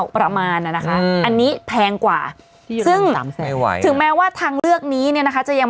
ประมาณอันนี้แพงกว่าซึ่งถึงแม้ว่าทางเลือกนี้เนี่ยนะคะจะยัง